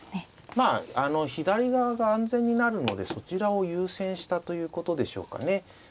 まあ左側が安全になるのでそちらを優先したということでしょうかね。